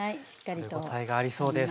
食べ応えがありそうです。